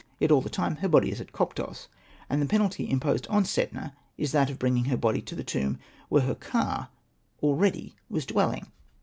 Yet all the time her body is at Koptos, and the penalty imposed on Setna is that of bringing her body to the tomb where her ka already was dwelling.